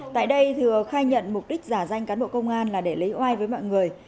tại đây thừa khai nhận mục đích giả danh cán bộ công an là để lấy oai với mọi người